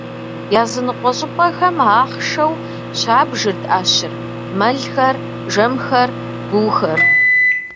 Языныкъуэ щӏыпӏэхэм ахъшэу щабжырт ӏэщыр: мэлхэр, жэмхэр, гуухэр.